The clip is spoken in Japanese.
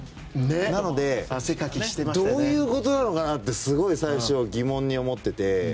なのでどういうことなのかなってすごい最初は疑問に思ってて。